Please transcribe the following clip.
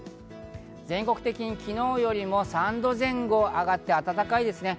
全国的に昨日よりも３度前後上がって暖かいですね。